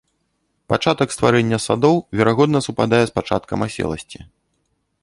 Пачатак стварэння садоў, верагодна, супадае з пачаткам аселасці.